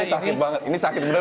ini sakit banget ini sakit bener